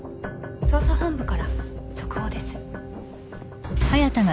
捜査本部から速報です。